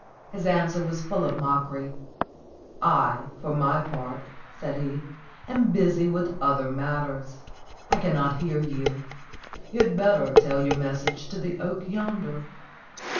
His answer was full of mockery: "I, for my part," said he, "am busy with other matters: I cannot hear you ; you had better tell your message to the oak yonder."